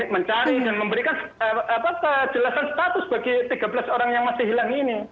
mencari dan memberikan kejelasan status bagi tiga belas orang yang masih hilang ini